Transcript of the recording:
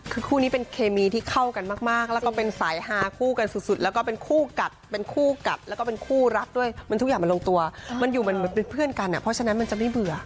คือคู่นี้เป็นเคมีที่เข้ากันมากแล้วก็เป็นสายฮาคู่กันสุดแล้วก็เป็นคู่กัดเป็นคู่กัดแล้วก็เป็นคู่รักด้วยมันทุกอย่างมันลงตัวมันอยู่เหมือนเป็นเพื่อนกันอ่ะเพราะฉะนั้นมันจะไม่เบื่อ